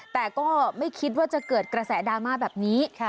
แต่ก็ไม่คิดว่าจะเกิดกระแสดราม่าแบบนี้